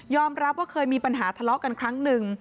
รับว่าเคยมีปัญหาทะเลาะกันครั้งหนึ่ง